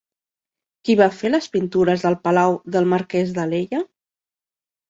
Qui va fer les pintures del Palau del Marquès d'Alella?